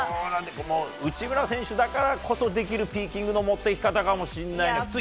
内村選手だからこそできるピーキングの持っていき方かもしれないね。